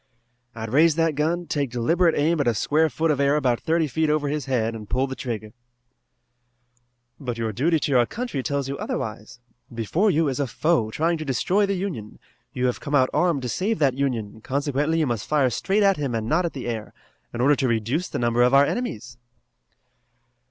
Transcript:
"I'd raise that gun, take deliberate aim at a square foot of air about thirty feet over his head and pull the trigger." "But your duty to your country tells you to do otherwise. Before you is a foe trying to destroy the Union. You have come out armed to save that Union, consequently you must fire straight at him and not at the air, in order to reduce the number of our enemies."